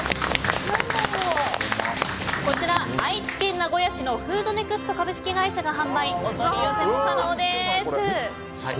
こちら愛知県名古屋市のｆｏｏｄｎｅｘｔ株式会社が販売、お取り寄せも可能です。